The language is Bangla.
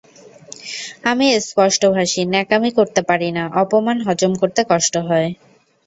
আমি স্পষ্টভাষী, ন্যাকামি করতে পারি না, অপমান হজম করতে কষ্ট হয়।